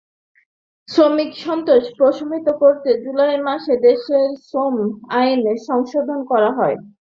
শ্রমিক অসন্তোষ প্রশমিত করতে জুলাই মাসে দেশের শ্রম আইন সংশোধন করা হয়।